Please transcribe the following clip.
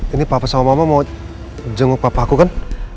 ini papa sama mama mau jenguk bapak aku kan